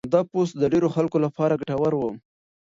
دا پوسټ د ډېرو خلکو لپاره ګټور و.